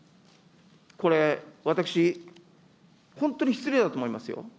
これ、私、本当に失礼だと思いますよ。